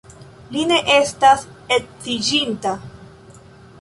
Li ne estas edziĝinta.